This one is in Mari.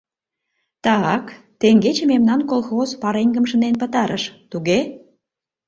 Та-ак, теҥгече мемнан колхоз пареҥгым шынден пытарыш, туге?